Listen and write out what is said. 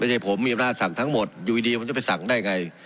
ไม่ใช่ผมมีอำนาจสั่งทั้งหมดอยู่ดีมันจะไปสั่งได้ไง